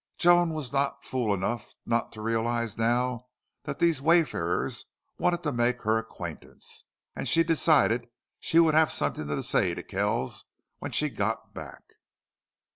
Joan was not fool enough not to realize now that these wayfarers wanted to make her acquaintance. And she decided she would have something to say to Kells when she got back.